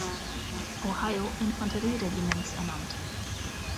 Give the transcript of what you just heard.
Ohio Infanterieregiments ernannt.